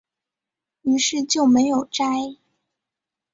於是就没有摘